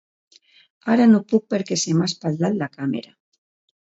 Ara no puc perquè se m'ha espatllat la càmera.